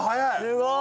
すごい！